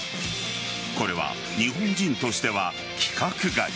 これは日本人としては規格外。